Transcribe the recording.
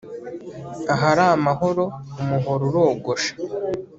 ahari amahoro umuhoro urogosha